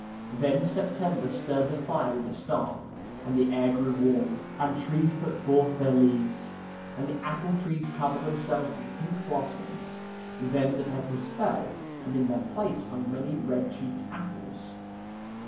Then September stirred the fire with the staff, and the air grew warm, and trees put forth their leaves, and the apple trees cov ered themselves with pink blossoms. Then the petals fell, and in their place hung many red cheeked apples.